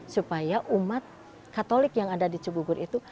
supaya umat katolik yang ada di cibugur itu